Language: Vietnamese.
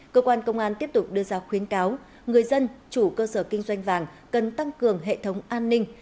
cơ quan công an tiếp tục đưa ra khuyến cáo người dân chủ cơ sở kinh doanh vàng cần tăng cường hệ thống an ninh